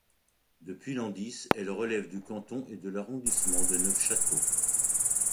Depuis l’an X, elle relève du canton et de l’arrondissement de Neufchâteau.